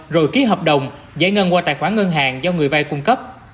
rồi ký hợp đồng giải ngân qua tài khoản ngân hàng do người vay cung cấp